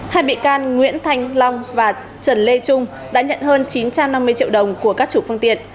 hai bị can nguyễn thanh long và trần lê trung đã nhận hơn chín trăm năm mươi triệu đồng của các chủ phương tiện